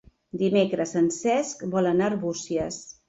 Dimecres en Cesc vol anar a Arbúcies.